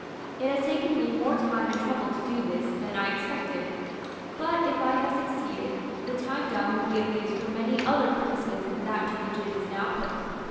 It has taken me more time and trouble to do this than I expected; but, if I have succeeded, the thing done will be of use for many other purposes than that to which it is now put.